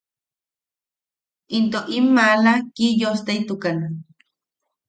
Into in maala Kiyosteitukan.